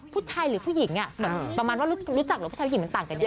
ผู้ชายหรือผู้หญิงประมาณว่ารู้จักหรือผู้ชายหญิงมันต่างกันเยอะ